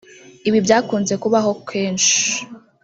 Ibi byakunze kubaho kenshi